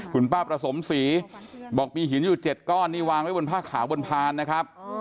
คุณป้าประสมศรีบอกมีหินอยู่๗ก้อนนี่วางไว้บนผ้าขาวบนพานนะครับ